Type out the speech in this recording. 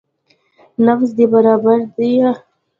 نبض دې برابر ديه.